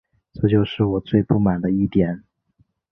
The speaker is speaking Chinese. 这就是我最不满的一点